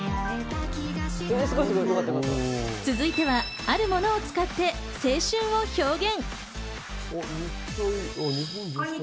続いてはあるものを使って青春を表現。